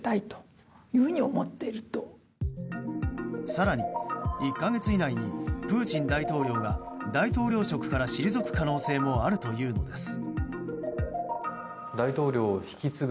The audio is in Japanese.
更に、１か月以内にプーチン大統領が大統領職から退く可能性もあるというのです。